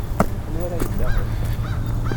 Anwa ara yennaɣen?